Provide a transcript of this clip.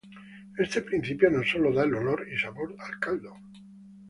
Este principio no solo da el olor y sabor al caldo.